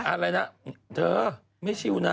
อะไรนะเธอไม่ชิวนะ